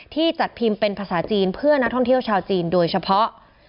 จัดพิมพ์เป็นภาษาจีนเพื่อนักท่องเที่ยวชาวจีนโดยเฉพาะ